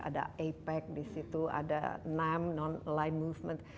ada apec di situ ada nam non line movement